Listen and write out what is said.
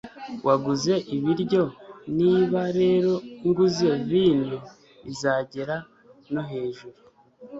waguze ibiryo, niba rero nguze vino izagera no hejuru